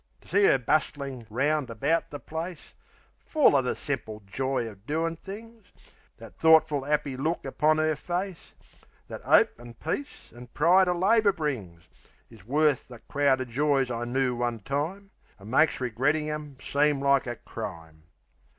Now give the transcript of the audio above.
To see 'er bustlin' 'round about the place, Full of the simple joy o' doin' things, That thoughtful, 'appy look upon 'er face, That 'ope an' peace an' pride o' labour brings, Is worth the crowd of joys I knoo one time, An' makes regrettin' 'em seem like a crime.